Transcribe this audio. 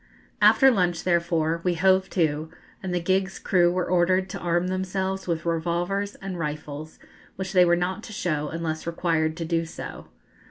After lunch, therefore, we hove to, and the gig's crew were ordered to arm themselves with revolvers and rifles, which they were not to show unless required to do so.